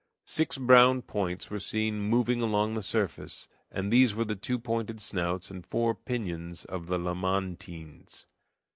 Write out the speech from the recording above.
Six brown points were seen moving along the surface, and these were the two pointed snouts and four pinions of the lamantins.